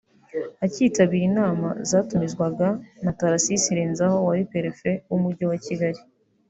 akitabira inama zatumizwaga na Tharcisse Renzaho wari Perefe w’Umujyi wa Kigali